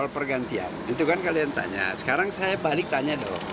pergantian itu kan kalian tanya sekarang saya balik tanya dong